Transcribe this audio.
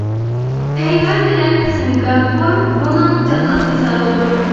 تەيۋەن بىلەن سىنگاپور بۇنىڭ جانلىق مىسالىدۇر.